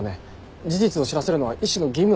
事実を知らせるのは医師の義務だと思いますけど。